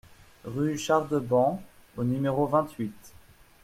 Rue Char de Ban au numéro vingt-huit